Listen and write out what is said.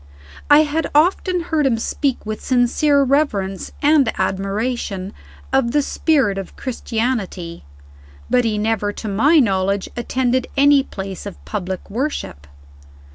I had often heard him speak with sincere reverence and admiration of the spirit of Christianity but he never, to my knowledge, attended any place of public worship.